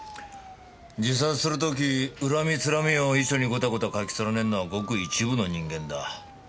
自殺する時恨み辛みを遺書にゴタゴタ書き連ねるのはごく一部の人間だ。